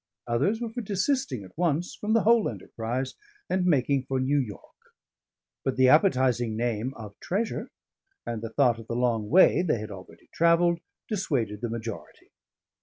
Others were for desisting at once from the whole enterprise and making for New York; but the appetising name of treasure, and the thought of the long way they had already travelled, dissuaded the majority.